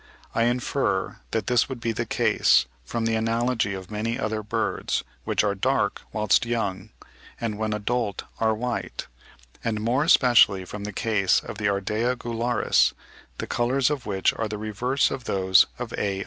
I infer that this would be the case, from the analogy of many other birds, which are dark whilst young, and when adult are white; and more especially from the case of the Ardea gularis, the colours of which are the reverse of those of A.